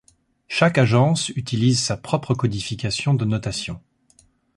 Chaque agence utilise sa propre codification de notation.